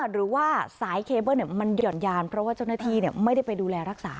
หรือว่าสายเคเบิ้ลมันหย่อนยานเพราะว่าเจ้าหน้าที่ไม่ได้ไปดูแลรักษา